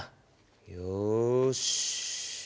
よし。